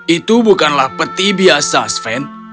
itu bukanlah peti biasa sven